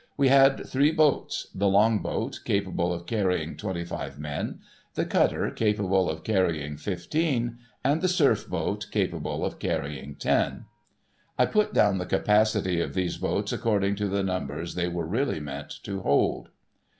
We had three boats ; the Long boat, capable of carrying twenty five men ; the Cutter, capable of carrying fifteen ; and the Surf boat, capable of carrying ten. I put down the capacity of these boats according to the numbers they were really meant to hold.